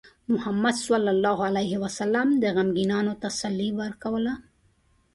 محمد صلى الله عليه وسلم د غمگینانو تسلي ورکوله.